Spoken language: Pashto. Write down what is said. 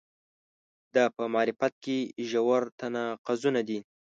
دا په معرفت کې ژور تناقضونه دي.